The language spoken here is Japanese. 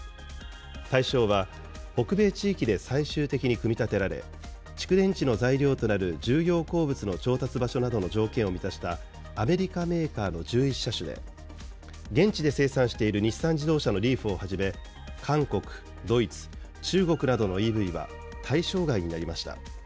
対象は、北米地域で最終的に組み立てられ、蓄電池の材料となる重要鉱物の調達場所などの条件を満たしたアメリカメーカーの１１車種で、現地で生産している日産自動車のリーフをはじめ、韓国、ドイツ、中国などのＥＶは対象外になりました。